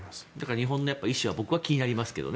日本の意思はやっぱり気になりますけどね。